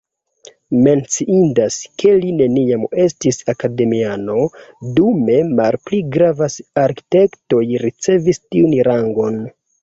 Menciindas, ke li neniam estis akademiano, dume malpli gravas arkitektoj ricevis tiun rangon.